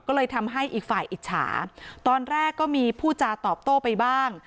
ก็เลยทำให้อีกฝ่ายอิจฉาตอนแรกก็มีผู้จาตอบโต้ไปบ้าง